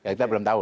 kita belum tahu